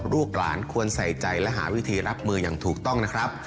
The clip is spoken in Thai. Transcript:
ลูกหลานควรใส่ใจและหาวิธีรับมืออย่างถูกต้องนะครับ